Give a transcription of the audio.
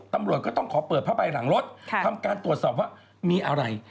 ตำรวจก็ต้องขอเปิดผ้าใบหลังรถทำการตรวจสอบว่ามีอะไร